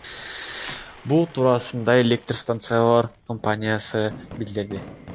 Бул туурасында Электр станциялар компаниясы билдирди.